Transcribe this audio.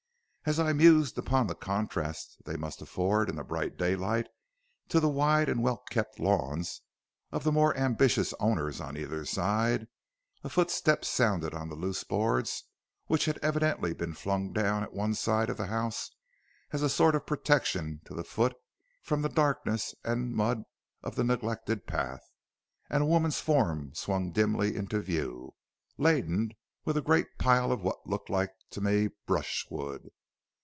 As I mused upon the contrast they must afford in the bright daylight to the wide and well kept lawns of the more ambitious owners on either side, a footstep sounded on the loose boards which had evidently been flung down at one side of the house as a sort of protection to the foot from the darkness and mud of the neglected path, and a woman's form swung dimly into view, laden with a great pile of what looked to me like brushwood.